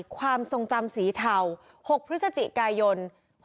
ความทรงจำสีเทา๖พฤศจิกายน๖๖